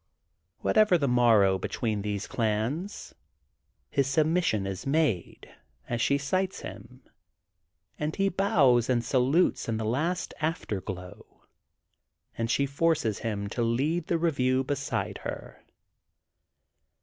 Whatever the morrow between these clans, his submission is made as she sights him, and he bows and salutes in the last afterglow, and she forces him to lead the review beside her.